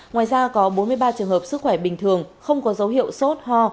ngoài ra có bốn mươi ba trường hợp sức khỏe bình thường không có dấu hiệu sốt ho